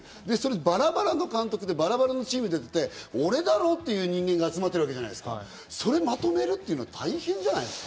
バラバラの監督でバラバラのチームでやってて、俺だろ！っていう人間が集まってる、それをまとめるというのは大変じゃないですか？